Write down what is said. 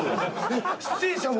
出演者も？